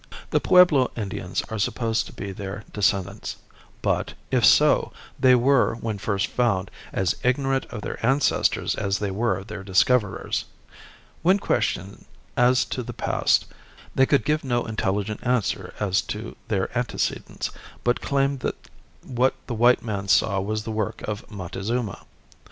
The Pueblo Indians are supposed to be their descendants, but, if so, they were, when first found, as ignorant of their ancestors as they were of their discoverers. When questioned as to the past they could give no intelligent answer as to their antecedents, but claimed that what the white man saw was the work of Montezuma.